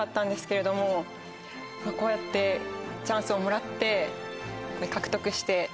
こうやってチャンスをもらって獲得して。